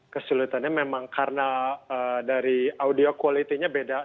kesulitannya memang karena dari audio quality nya beda